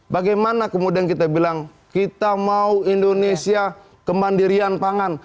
bagaimana kemudian kita bilang kita mau indonesia kemandirian pangan